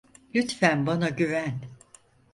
Lütfen bana güven.